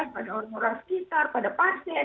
pada orang orang sekitar pada pasien